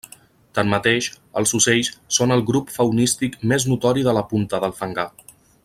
Tanmateix, els ocells són el grup faunístic més notori de la punta del Fangar.